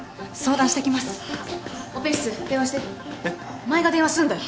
お前が電話すんだよ！